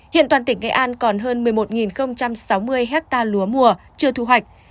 hiện toàn tỉnh nghệ an còn hơn một mươi một sáu mươi hectare lúa mùa chưa thu hoạch